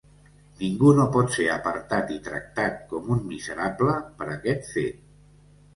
Ningú no pot ser apartat i tractat com un miserable per aquest fet.